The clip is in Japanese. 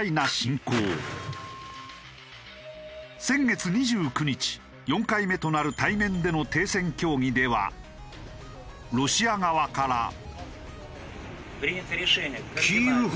先月２９日４回目となる対面での停戦協議ではロシア側から。